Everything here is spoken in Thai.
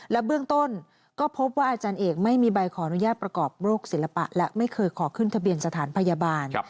และเบื้องต้นก็พบว่าอาจารย์เอกไม่มีใบขออนุญาตประกอบโรคศิลปะและไม่เคยขอขึ้นทะเบียนสถานพยาบาล